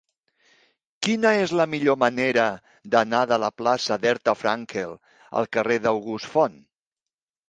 Quina és la millor manera d'anar de la plaça d'Herta Frankel al carrer d'August Font?